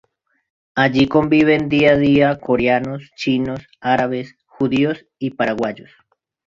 Allí conviven día a día, coreanos, chinos, árabes, judíos y paraguayos.